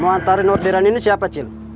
mau antarin orderan ini siapa cil